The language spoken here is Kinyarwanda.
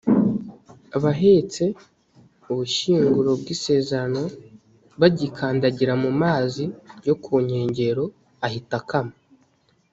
abahetse ubushyinguro bw’isezerano bagikandagira mu mazi yo ku nkengero, ahita akama